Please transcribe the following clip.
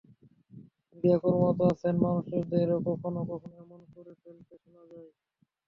মিডিয়ায় কর্মরত কাছের মানুষদেরও কখনো কখনো এমন করে বলতে শোনা যায়।